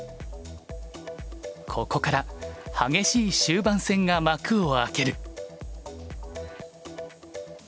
ここから激しい終盤戦が幕を開ける。